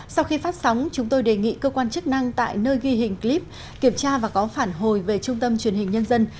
sau khi phát sóng chúng tôi đề nghị cơ quan chức năng tại nơi ghi hình clip kiểm tra và có phản hồi về trung tâm truyền hình nhân dân